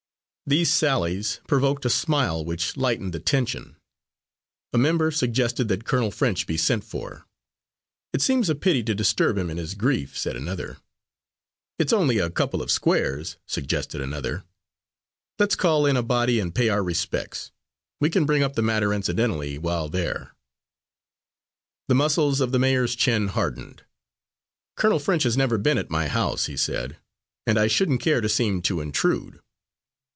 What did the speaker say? These sallies provoked a smile which lightened the tension. A member suggested that Colonel French be sent for. "It seems a pity to disturb him in his grief," said another. "It's only a couple of squares," suggested another. "Let's call in a body and pay our respects. We can bring up the matter incidentally, while there." The muscles of the mayor's chin hardened. "Colonel French has never been at my house," he said, "and I shouldn't care to seem to intrude."